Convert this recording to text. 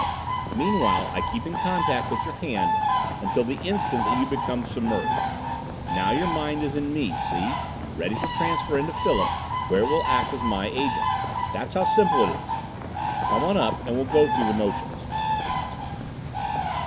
"Meanwhile I keep in contact with your hand until the instant that you become submerged. Now your mind is in me, see? ready for transfer into Philip, where it will act as my Agent. That's how simple it is! Come on up and we'll go through the motions."